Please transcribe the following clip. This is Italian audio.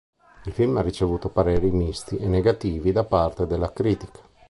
Il film ha ricevuto pareri misti e negativi da parte della critica.